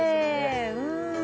うん。